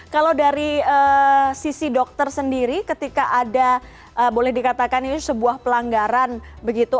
kalau dari sisi dokter sendiri ketika ada boleh dikatakan ini sebuah pelanggaran begitu